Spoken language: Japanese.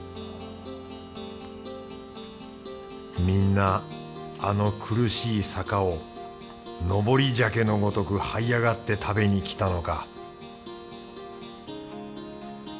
みんなあの苦しい坂をのぼり鮭のごとくはい上がって食べにきたのか